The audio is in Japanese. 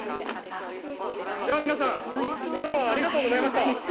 じゃあ皆さん今日はありがとうございました。